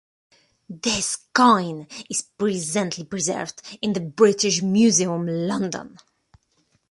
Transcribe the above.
This coin is presently preserved in the British Museum, London.